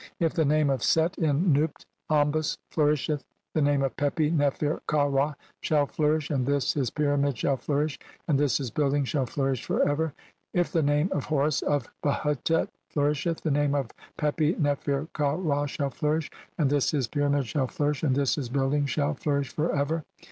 If the name of Set in Nubt (Ombos) flourisheth, i CXLVI INTRODUCTION. "the name of Pepi Nefer ka Ra shall flourish, and this "his pyramid shall flourish, and this his building shall "flourish for ever. If the name of Horus of Behutet "flourisheth, the name of this Pepi Nefer ka Ra shall "flourish, and this his pyramid shall flourish, and this "his building shall flourish for ever.